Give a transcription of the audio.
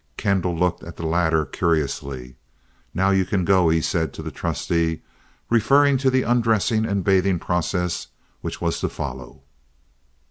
Kendall looked at the latter curiously. "Now you can go on," he said to the "trusty," referring to the undressing and bathing process which was to follow.